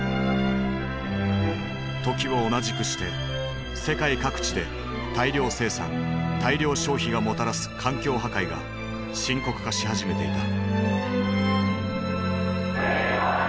時を同じくして世界各地で大量生産大量消費がもたらす環境破壊が深刻化し始めていた。